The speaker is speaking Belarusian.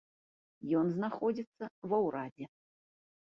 Ён знаходзіцца ва ўрадзе.